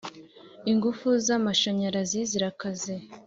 Ingufu zamashanyarazi zirakaze